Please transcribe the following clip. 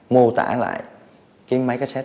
mô tả lại cái máy cách xét